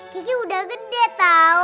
kiki udah gede tau